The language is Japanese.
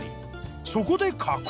そこで加工。